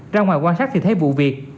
ra ngoài quan sát thì thấy vụ việc